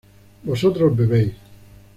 vosotros bebéis